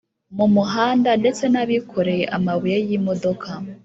Mumuhanda ndetse nabikoreye amabuye yimodoka